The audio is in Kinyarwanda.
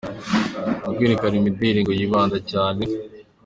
Mu kwerekana imideli ngo yibanda cyane